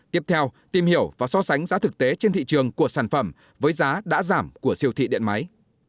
tiếp theo tìm hiểu và so sánh giá thực tế trên thị trường của sản phẩm với giá đã giảm của siêu thị điện máy